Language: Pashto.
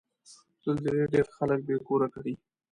زلزلې ډېر خلک بې کوره کړي.